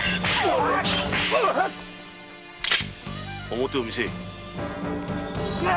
面を見せい！